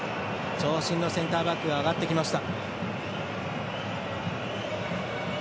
長身のセンターバックが上がってきました。